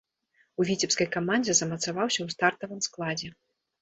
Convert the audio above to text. У віцебскай камандзе замацаваўся ў стартавым складзе.